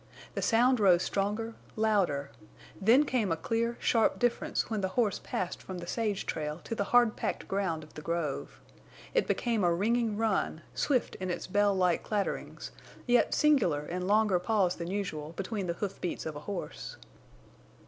The sound rose stronger, louder. Then came a clear, sharp difference when the horse passed from the sage trail to the hard packed ground of the grove. It became a ringing run—swift in its bell like clatterings, yet singular in longer pause than usual between the hoofbeats of a horse.